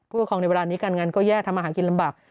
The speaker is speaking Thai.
ประคองในเวลานี้การงานก็แย่ทำอาหารกินลำบาก